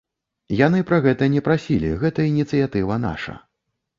Яны пра гэта не прасілі, гэта ініцыятыва наша.